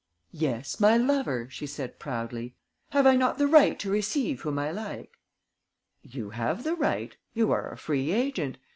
"Yes, my lover," she said, proudly. "Have I not the right to receive whom I like?" "You have the right; you are a free agent.